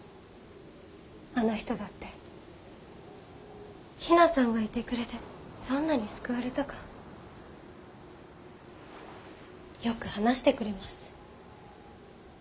あの人だって比奈さんがいてくれてどんなに救われたかよく話してくれます。